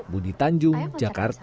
budi tanjung jakarta